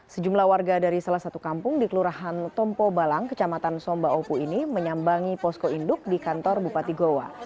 sejumlah warga dari salah satu kampung di kelurahan tompo balang kecamatan somba opu ini menyambangi posko induk di kantor bupati goa